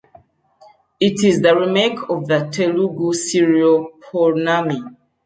It is the remake of the Telugu serial Pournami.